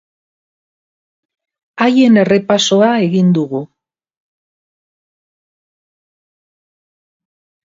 Haien errepasoa egin dugu.